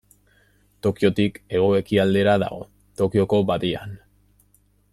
Tokiotik hego-ekialdera dago, Tokioko Badian.